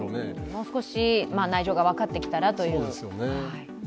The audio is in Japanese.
もう少し内情が分かってきたらということですね。